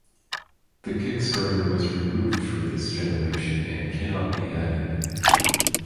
The kickstarter was removed for this generation and cannot be added.